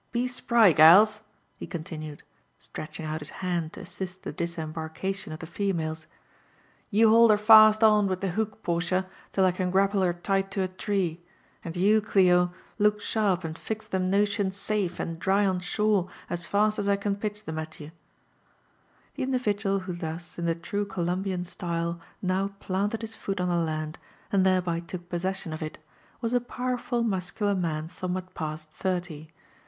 Be spry, galsl" he OQplinued, ^retching out his hand to assist the dis ^ embarkation of the females :" you hold her fast on with the book^ Portia, till I can grapple her tight to a tree ; and you, Clio, look sharp and 0x them notions safe a^nd dry on shor^ as fast as I can pitch them «lye." Tbe individual who thus, iii the true Columbian style, pow planlecl & his foot on the land, and thereby took possession pf it, was a powerful/^ muscular man aonnewhat past thirty.